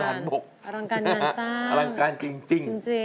อลังการงานสร้างอลังการจริง